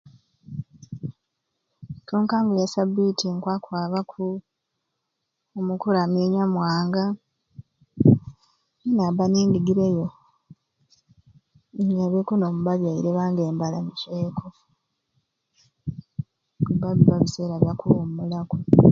Okunkango ya sabiiti nkwaba kwaba ku omu kuramya onyamuwanga n'inaaba nga ndigireyo nyabeku n'omubabyaire bange mbalamuceeku kubba bibba biseera bya kuwumuwulaku.